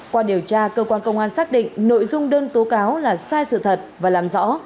qua điều tra cơ quan công an xác định nội dung đơn tố cáo là sai sự thật và làm rõ